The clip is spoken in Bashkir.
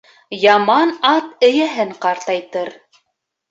Яман ат эйәһен ҡартайтыр.